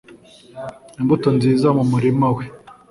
imbuto nziza mu murima we